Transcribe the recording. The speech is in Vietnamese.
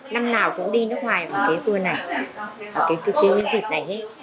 năm nào cũng đi nước ngoài vào tour này vào dịp này hết